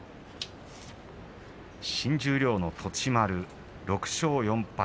新十両の栃丸、６勝４敗。